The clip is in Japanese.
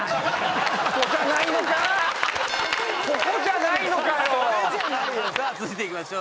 ここじゃないのかよ！